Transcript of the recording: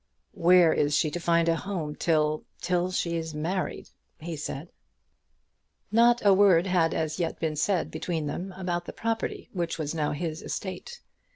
"Where is she to find a home till, till she is married?" he said. Not a word had as yet been said between them about the property which was now his estate.